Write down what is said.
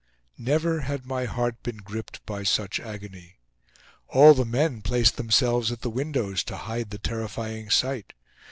Never had my heart been gripped by such agony. All the men placed themselves at the windows to hide the terrifying sight.